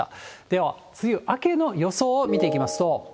では、梅雨明けの予想を見ていきますと。